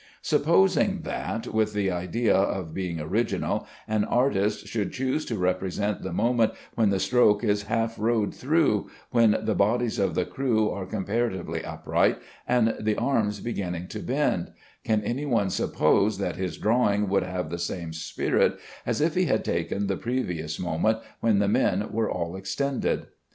Supposing that, with the idea of being original, an artist should choose to represent the moment when the stroke is half rowed through, when the bodies of the crew are comparatively upright, and the arms beginning to bend, can any one suppose that his drawing would have the same spirit as if he had taken the previous moment, when the men were all extended?